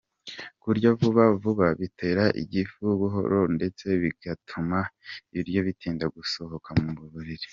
Kurya vuba vuba bitera igifu buhoro ndetse bikanatuma ibiryo bitinda gusohoka mu mubiri.